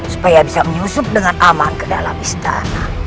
supaya bisa menyusup dengan aman ke dalam istana